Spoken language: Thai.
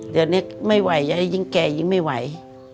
เดี๋ยวนี้ไม่ไหวยิ่งแก่ยิ่งไม่ไหว